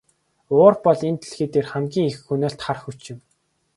Уур бол энэ дэлхий дээрх хамгийн их хөнөөлт хар хүч юм.